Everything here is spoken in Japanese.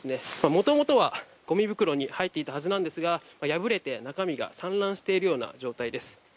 もともとは、ごみ袋に入っていたはずなんですが破れて中身が散乱しているような状態です。